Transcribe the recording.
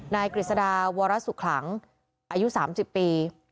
กฤษฎาวรสุขลังอายุ๓๐ปี